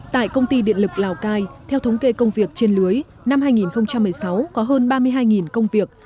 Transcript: tại công ty điện lực lào cai theo thống kê công việc trên lưới năm hai nghìn một mươi sáu có hơn ba mươi hai công việc